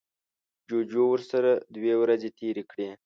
جوجو ورسره دوه ورځې تیرې کړې.